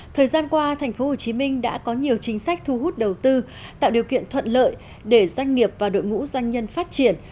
thời gian qua tp hcm đã có nhiều chính sách thu hút đầu tư tạo điều kiện thuận lợi để doanh nghiệp và đội ngũ doanh nhân phát triển